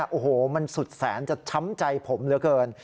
โอ้โหมันสุดแสนจะช้ำใจผมเหลือเกิน